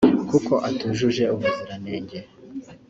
kuko atujuje ubuziranenge